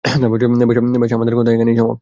বেশ, আমাদের কথা এখানেই সমাপ্ত।